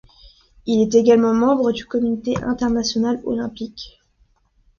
Il est également membre du Comité international olympique.